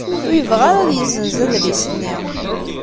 Ur yebɣi ara ad yezzenz adlis-nni.